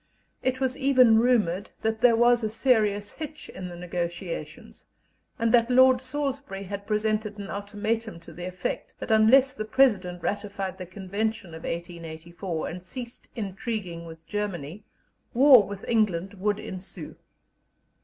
It was even rumoured that there was a serious hitch in the negotiations, and that Lord Salisbury had presented an ultimatum to the effect that, unless the President ratified the Convention of 1884, and ceased intriguing with Germany, war with England would ensue.